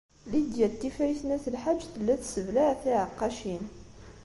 Lidya n Tifrit n At Lḥaǧ tella tesseblaɛ tiɛeqqacin.